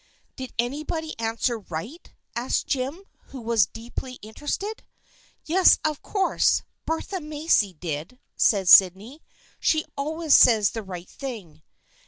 " Did anybody answer right ?" asked Jim, who was deeply interested. " Yes, of course Bertha Macy did," said Sydney. " She always says the right thing."